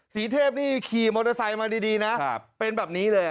สีเทพนี่ขี่มอเตอร์ไซค์มาดีนะเป็นแบบนี้เลย